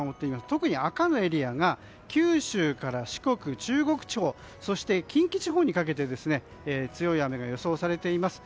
特に赤のエリアが九州から四国・中国地方そして、近畿地方にかけて強い雨が予想されています。